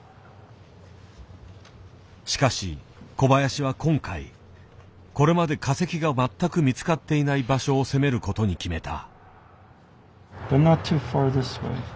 しかし小林は今回これまで化石が全く見つかっていない場所を攻める事に決めた。